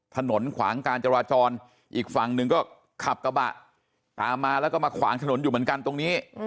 ถนนขวางการจราจรอีกฝั่งหนึ่งก็ขับกระบะตามมาแล้วก็มาขวางถนนอยู่เหมือนกันตรงนี้